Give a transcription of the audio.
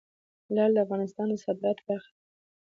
لعل د افغانستان د صادراتو برخه ده.